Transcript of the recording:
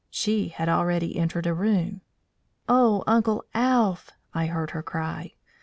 She had already entered a room. "O Uncle Alph!" I heard her cry.